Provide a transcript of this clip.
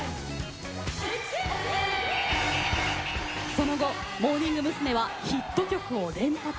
その後、モーニング娘。はヒット曲を連発。